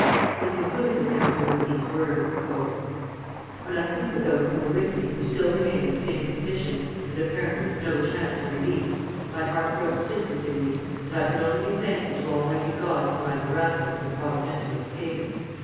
He concludes his narrative with these words: "When I think of those who were with me who still remain in the same condition, and apparently with no chance of release, my heart grows sick within me, and I can only be thankful to Almighty God for my miraculous and providential escape.